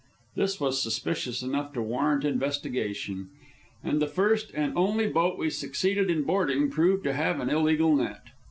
This was suspicious enough to warrant investigation, and the first and only boat we succeeded in boarding proved to have an illegal net.